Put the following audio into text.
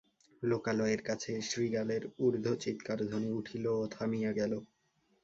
লোকালয়ের কাছে শৃগালের ঊর্ধ্বচীৎকারধ্বনি উঠিল ও থামিয়া গেল।